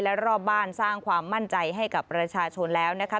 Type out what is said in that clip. และรอบบ้านสร้างความมั่นใจให้กับประชาชนแล้วนะคะ